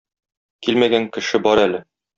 Килмәгән кеше бар әле.